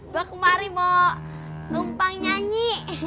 gue kemari mau lumpang nyanyi